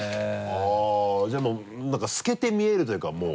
あぁじゃあもうなんか透けて見えるというかもう。